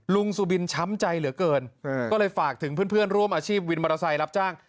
สุบินช้ำใจเหลือเกินก็เลยฝากถึงเพื่อนร่วมอาชีพวินมอเตอร์ไซค์รับจ้าง